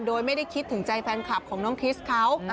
โดยไม่ได้คิดถึงใจแฟนคลับของน้องทิสเขา